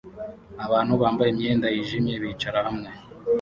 Abantu bambaye imyenda yijimye bicara hamwe